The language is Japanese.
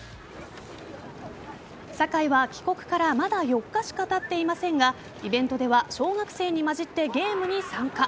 酒井は、帰国からまだ４日しかたっていませんがイベントでは小学生にまじってゲームに参加。